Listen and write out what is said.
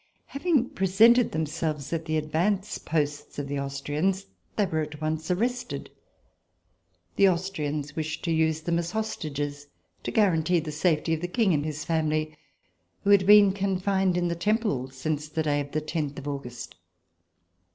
Having presented themselves at the advance posts of the Austrians, they were at once arrested. The Austrians wished to use them as hostages to guarantee the safety of the King and his family, who had been confined in the Temple since the day of the tenth of August.